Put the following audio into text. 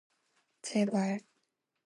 제발.